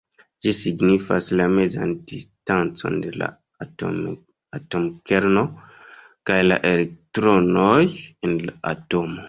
Ĝi signifas la mezan distancon de la atomkerno kaj la elektronoj en la atomo.